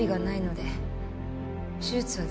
で